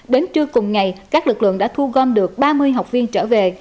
đến trưa cùng ngày các lực lượng đã thu gom được ba mươi học viên trở về